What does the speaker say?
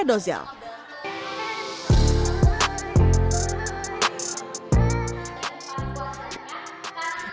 edozel penjualan berjualan live streaming